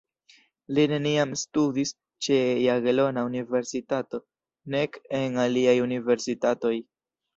Li neniam studis ĉe Jagelona Universitato nek en aliaj universitatoj.